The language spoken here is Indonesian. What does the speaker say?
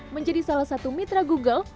menjadi salah satu mitra google